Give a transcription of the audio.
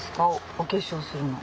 お化粧するの。